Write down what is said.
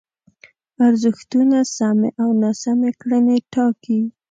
ارزښتونه سمې او ناسمې کړنې ټاکي.